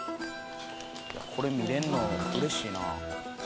「これ見れるのうれしいな」